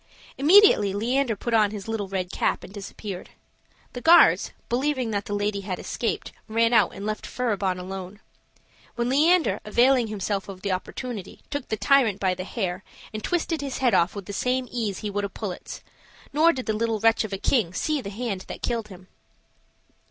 Immediately Leander put on his little red cap and disappeared. The guards, believing that the lady had escaped, ran out and left Furibon alone; when Leander, availing himself of the opportunity, took the tyrant by the hair, and twisted his head off with the same ease he would a pullet's; nor did the little wretch of a king see that hand that killed him.